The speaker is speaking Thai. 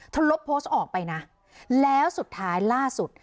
ลบโพสต์ออกไปนะแล้วสุดท้ายล่าสุด